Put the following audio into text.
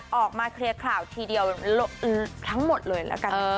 เป็นเทพีสงครานออกมาเคลียร์ข่าวทีเดียวทั้งหมดเลยแล้วกัน